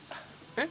えっ！